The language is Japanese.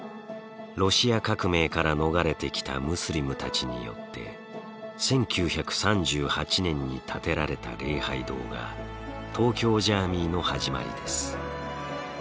ロシア革命から逃れてきたムスリムたちによって１９３８年に建てられた礼拝堂が東京ジャーミイの始まりです。